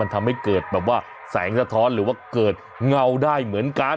ทำให้เกิดแบบว่าแสงสะท้อนหรือว่าเกิดเงาได้เหมือนกัน